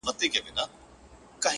گوره ځوانـيمـرگ څه ښـه وايــي”